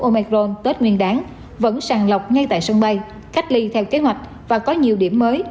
omron tết nguyên đáng vẫn sàng lọc ngay tại sân bay cách ly theo kế hoạch và có nhiều điểm mới